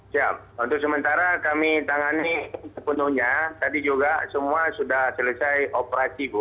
siap untuk sementara kami tangani sepenuhnya tadi juga semua sudah selesai operasi bu